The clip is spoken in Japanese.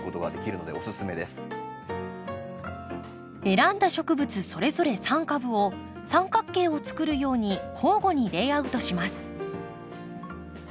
選んだ植物それぞれ３株を三角形をつくるように交互にレイアウトします。